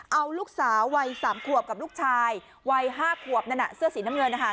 เอาลูกสาววัย๓ขวบกับลูกชายวัย๕ขวบนั่นน่ะเสื้อสีน้ำเงินนะคะ